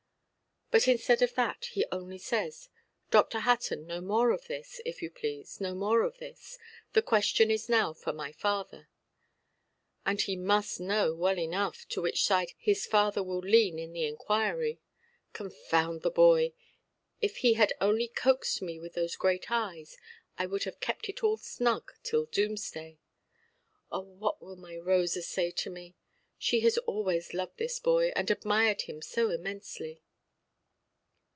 But instead of that, he only says, 'Dr. Hutton, no more of this, if you please, no more of this! The question is now for my father'. And he must know well enough to which side his father will lean in the inquiry. Confound the boy! If he had only coaxed me with those great eyes, I would have kept it all snug till Doomsday. Oh what will my Rosa say to me? She has always loved this boy, and admired him so immensely".